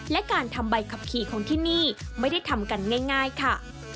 และการทำใบขับขี่ของที่นี่ไม่ได้ทำกันง่ายค่ะ